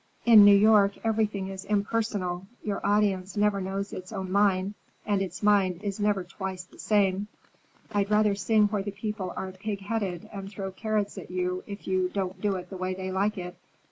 In New York everything is impersonal. Your audience never knows its own mind, and its mind is never twice the same. I'd rather sing where the people are pig headed and throw carrots at you if you don't do it the way they like it.